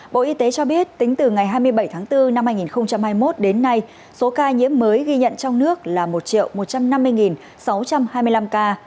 bộ y tế cho biết tính từ ngày hai mươi bảy tháng bốn năm hai nghìn hai mươi một đến nay số ca nhiễm mới ghi nhận trong nước là một một trăm năm mươi sáu trăm hai mươi năm ca